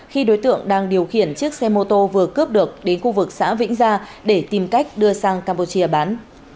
khi đối tượng đang điều khiển chiếc xe mô tô vừa cướp được đến khu vực xã vĩnh gia để tìm cách đưa sang campuchia bán